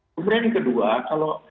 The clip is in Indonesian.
kemudian yang kedua kalau